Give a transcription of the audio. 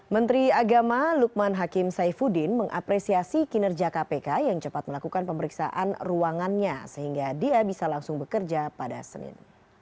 menteri agama lukman hakim saifuddin mengapresiasi kinerja kpk yang cepat melakukan pemeriksaan ruangannya sehingga dia bisa langsung bekerja pada senin